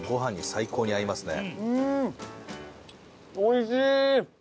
おいしい！